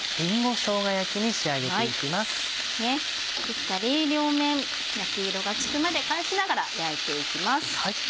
しっかり両面焼き色がつくまで返しながら焼いていきます。